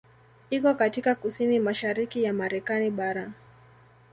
Iko katika kusini-mashariki ya Marekani bara.